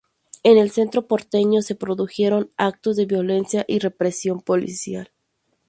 En el centro porteño se produjeron actos de violencia y represión policial.